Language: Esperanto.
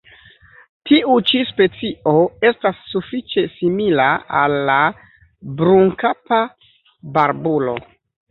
Tiu ĉi specio estas sufiĉe simila al la Brunkapa barbulo.